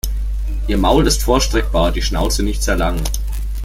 Ihr Maul ist vorstreckbar, die Schnauze nicht sehr lang.